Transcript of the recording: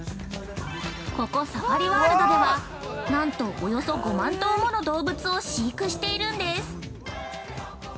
◆ここサファリワールドでは何とおよそ５万頭もの動物を飼育しているんです。